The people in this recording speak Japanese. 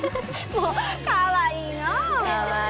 もうかわいいなぁ！